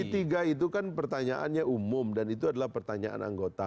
p tiga itu kan pertanyaannya umum dan itu adalah pertanyaan anggota